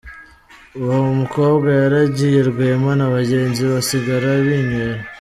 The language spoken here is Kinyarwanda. Uwo mukobwa yaragiye Rwema na bagenzi basigara binywera.